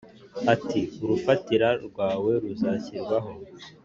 atii urufatira rwawe ruzashyirwaho